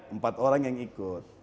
empat orang yang ikut